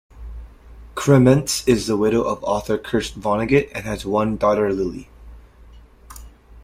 Krementz is the widow of author Kurt Vonnegut and has one daughter, Lily.